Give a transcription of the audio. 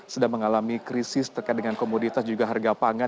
sedang mengalami krisis terkait dengan komoditas juga harga pangan